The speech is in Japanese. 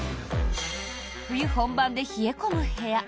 冬本番で冷え込む部屋。